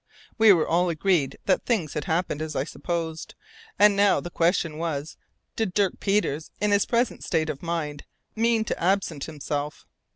We were all agreed that things had happened as I supposed, and now the question was, did Dirk Peters, in his present state of mind, mean to absent himself?